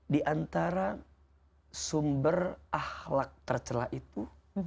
di antara sumber ahlak tercelah itu